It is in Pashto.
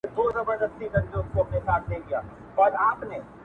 ښه شو له دې خپل